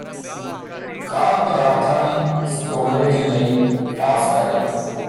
ਖਾਧ ਪਦਾਰਥਾਂ ਦੀ ਸਟੋਰੇਜ ਲਈ ਖਾਸ ਵੈਗਨ